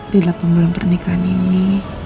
di delapan bulan pernikahan ini